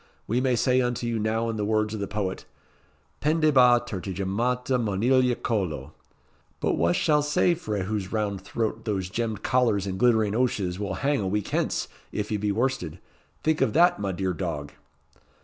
We may say unto you now in the words of the poet 'Pendebant ter ti gemmata monilia collo;' but wha shall say frae whose round throat those gemmed collars and glittering ouches will hang a week hence, if ye be worsted? Think of that, my dear dog."